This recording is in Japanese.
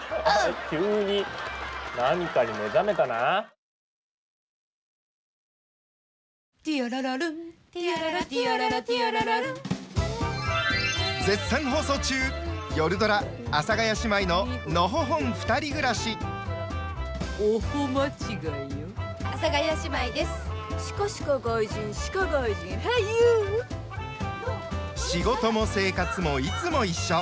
仕事も生活もいつも一緒。